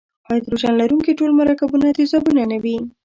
هایدروجن لرونکي ټول مرکبونه تیزابونه نه وي.